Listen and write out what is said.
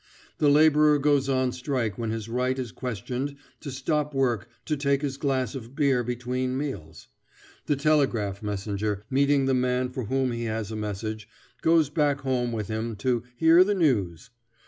The laborer goes on strike when his right is questioned to stop work to take his glass of beer between meals; the telegraph messenger, meeting the man for whom he has a message, goes back home with him "to hear the news."